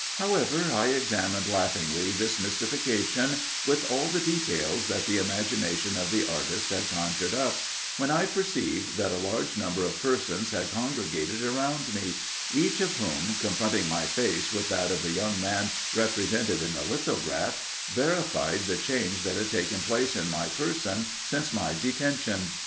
However, I examined laughingly this mystification, with all the details that the imagination of the artist had conjured up, when I perceived that a large number of persons had congregated around me, each of whom, confronting my face with that of the young man represented in the lithograph, verified the change that had taken place in my person since my detention.